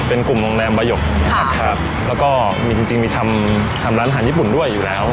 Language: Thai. เป็นกลุ่มโรงแรมบายกนะครับครับแล้วก็มีจริงจริงมีทำทำร้านอาหารญี่ปุ่นด้วยอยู่แล้ว